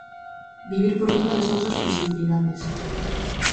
Vivir por riba das nosas posibilidades.